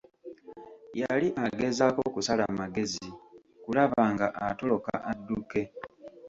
Yali agezaako kusala magezi kulaba nga atoloka adduke.